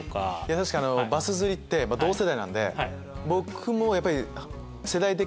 確かにバス釣りって同世代なんで僕もやっぱり。